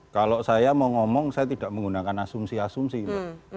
kalau saya mau ngomong saya tidak menggunakan asumsi asumsi mbak